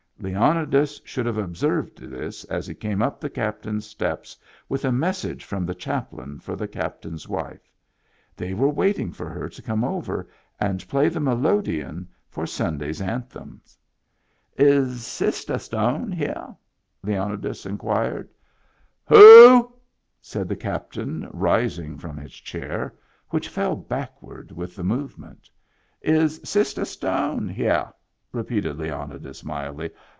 Leonidas should have observed this as he came up the captain's steps with a message from the chaplain for the captain's wife. They were waiting for her to come over and play the melo deon for Sunday's anthem. Digitized by Google io8 MEMBERS OF THE FAMILY " Is Sistah Stone here ?'* Leonidas inquired. "WHO?" said the captain, rising from his chair, which fell backward with the movement. " Is Sistah Stone here? " repeated Leonidas, mildly.